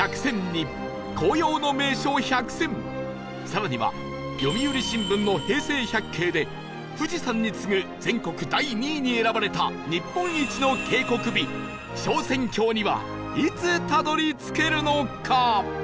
更には読売新聞の平成百景で富士山に次ぐ全国第２位に選ばれた日本一の渓谷美昇仙峡にはいつたどり着けるのか？